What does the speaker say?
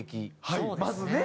はいまずね。